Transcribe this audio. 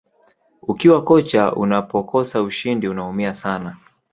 ukiwa kocha unapokosa ushindi unaumia sana